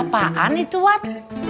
apaan itu wat